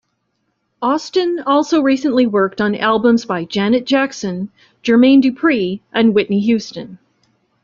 Austin also recently worked on albums by Janet Jackson, Jermaine Dupri, and Whitney Houston.